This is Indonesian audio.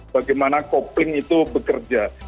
bagaimana kopling itu bekerja